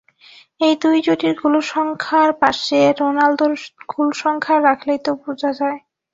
এই দুই জুটির গোলসংখ্যার পাশে রোনালদোর গোলসংখ্যা রাখলেই তা বোঝা যায়।